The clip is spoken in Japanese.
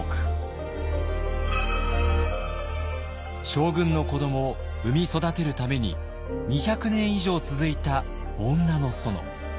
将軍の子どもを産み育てるために２００年以上続いた女の園。